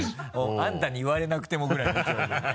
「あんたに言われなくても」ぐらいの勢いで。